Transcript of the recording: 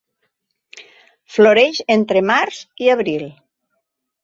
Floreix entre març i abril.